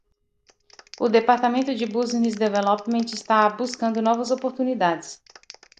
O departamento de Business Development está buscando novas oportunidades.